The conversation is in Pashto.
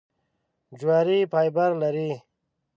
جواري فایبر لري .